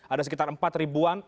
ada sekitar empat ribuan